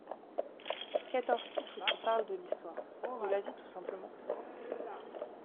Quatorze titres qui parlent de l'histoire, de la vie tout simplement.